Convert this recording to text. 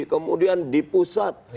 kemudian di pusat